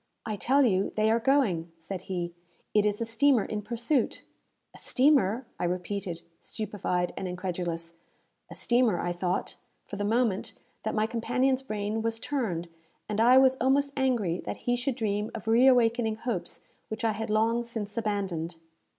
"I tell you, they are going," said he. "It is a steamer in pursuit." "A steamer!" I repeated, stupefied and incredulous. "A steamer!" I thought, for the moment, that my companion's brain was turned, and I was almost angry that he should dream of reawakening hopes which I had long since abandoned.